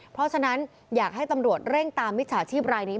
เพราะฉะนั้นอยากให้ตำรวจเร่งตามมิจฉาชีพรายนี้